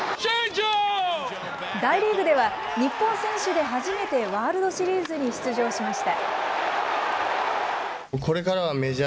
大リーグでは、日本選手で初めてワールドシリーズに出場しました。